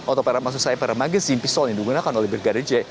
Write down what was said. atau maksud saya para magazine pistol yang digunakan oleh brigadir j